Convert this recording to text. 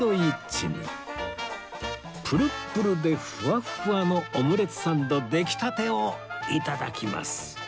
プルップルでふわっふわのオムレツサンド出来たてをいただきます